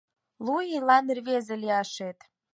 Лу ийлан рвезе лияшет!..